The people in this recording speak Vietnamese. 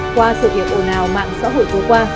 qua sự hiểu ồn ào mạng xã hội vô qua